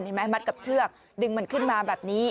มัดกับเชือกดึงมันขึ้นมาแบบนี้